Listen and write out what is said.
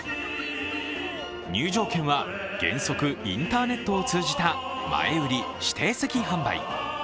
入場券は原則インターネットを通じた前売り・指定席販売。